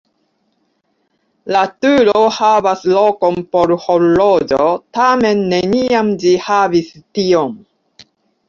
La turo havas lokon por horloĝo, tamen neniam ĝi havis tion.